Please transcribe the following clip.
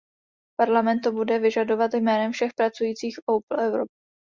Parlament to bude vyžadovat jménem všech pracujících Opel Europe.